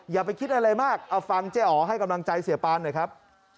อย่าไปคิดอะไรมากเอาฟังเจ๊อ๋อให้กำลังใจเสียปานหน่อยครับ